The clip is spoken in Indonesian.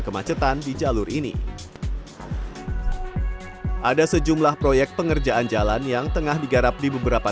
kemacetan di jalur ini ada sejumlah proyek pengerjaan jalan yang tengah digarap di beberapa